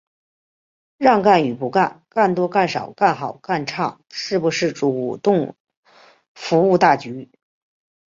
让干与不干、干多干少、干好干差、是不是主动服务大局、